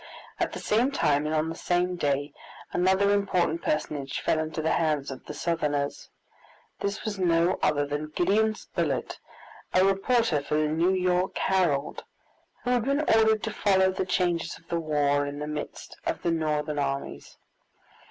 At the same time and on the same day another important personage fell into the hands of the Southerners. This was no other than Gideon Spilett, a reporter for the New York Herald, who had been ordered to follow the changes of the war in the midst of the Northern armies.